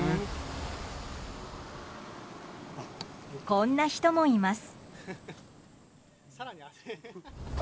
こんな人もいます。